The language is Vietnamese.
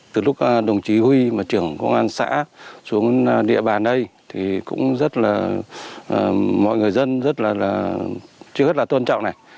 từ lúc đồng chí huy trưởng công an xã xuống địa bàn đây thì cũng rất là mọi người dân rất là tôn trọng này